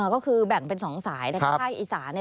ก็คือแบ่งเป็น๒สายใกล้อีสาน